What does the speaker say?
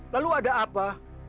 lalu ada apa